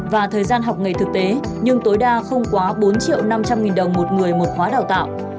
và thời gian học nghề thực tế nhưng tối đa không quá bốn triệu năm trăm linh nghìn đồng một người một khóa đào tạo